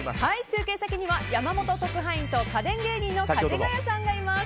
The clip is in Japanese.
中継先には山本特派員と家電芸人のかじがやさんがいます。